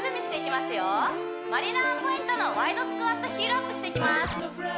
まりなポイントのワイドスクワットヒールアップしていきます